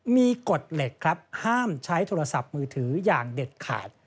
มีกฎเหล็กครับห้ามใช้โทรศัพท์มือถืออย่างเด็ดขาด